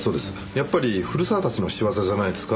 やっぱり古澤たちの仕業じゃないですか？